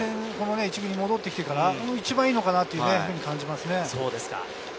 １軍に戻ってきてから一番いいように感じます。